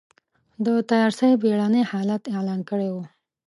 د تيارسۍ بېړنی حالت اعلان کړی و.